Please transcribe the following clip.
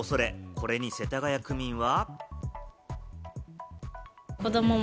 これに世田谷区民は。